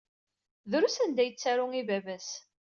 Drus anda ay yettaru i baba-s.